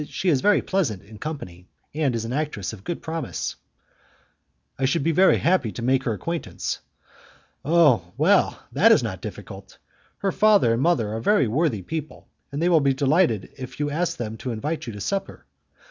She is very pleasant in company, and is an actress of good promise." "I should be very happy to make her acquaintance." "Oh! well; that is not difficult. Her father and mother are very worthy people, and they will be delighted if you ask them to invite you to supper.